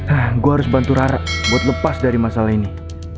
ah gue harus bantu rara buat lepas dari masalah ini